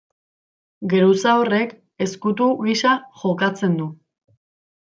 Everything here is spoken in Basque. Geruza horrek ezkutu gisa jokatzen du.